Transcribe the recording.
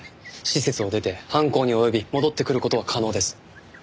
施設を出て犯行に及び戻ってくる事は可能です。